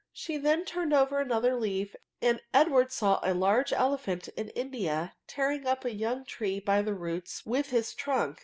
She then turned over another leaf, and Edward saw a large elephant in India, tear^ ing Tip a young tree by the roots with his trunk.